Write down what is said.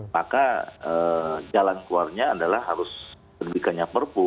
maka jalan keluarnya adalah harus terbitkannya perpu